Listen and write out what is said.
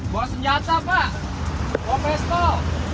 buat senjata pak buat pistol